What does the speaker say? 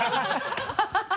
ハハハ